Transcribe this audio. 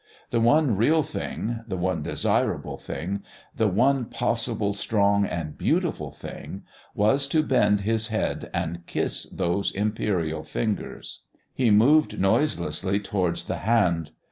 The one real thing, the one desirable thing, the one possible, strong and beautiful thing was to bend his head and kiss those imperial fingers. He moved noiselessly towards the Hand.